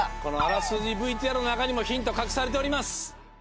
このあらすじＶＴＲの中にもヒント隠されております